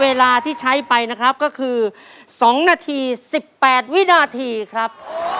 เวลาที่ใช้ไปนะครับก็คือ๒นาที๑๘วินาทีครับ